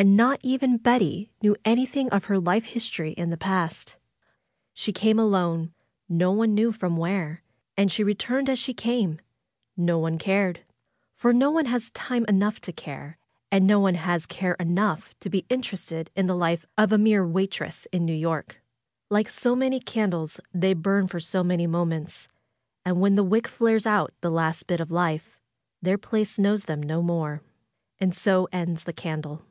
And not even Betty knew any thing of her life history in the past. She came alone; no one knew where from ; and she returned as she came — no one cared; for no one has time enough to care, and no one has care enough to be interested in the life of a mere waitress in New York. Like so many candles they burn for so many moments. , And when the wick flares out the last bit of life, their place knows them no more. And so ends the candle.